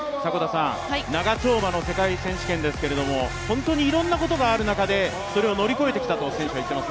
長丁場の世界選手権ですが、本当にいろいろなことがある中でそれを乗り越えてきたと。